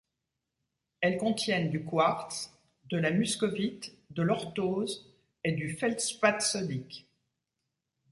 Elles contiennent du quartz, de la muscovite, de l'orthose et du feldspath sodique.